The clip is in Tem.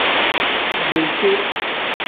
Birike.